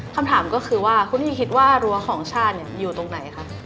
คำถามก็คือว่าคุณนี่คิดว่ารั้วของชาติอยู่ตรงไหนคะ